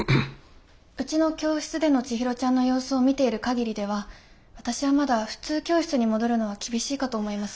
うちの教室でのちひろちゃんの様子を見ている限りでは私はまだ普通教室に戻るのは厳しいかと思います。